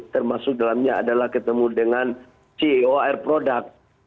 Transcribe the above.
termasuk dalamnya adalah ketemu dengan ceo air product